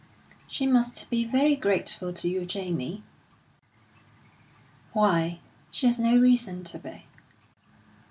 "She must be very grateful to you, Jamie." "Why? She has no reason to be."